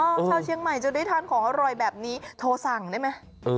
ชาวเชียงใหม่จะได้ทานของอร่อยแบบนี้โทรสั่งได้ไหม